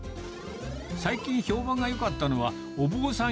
最近評判がよかったのは、お坊さん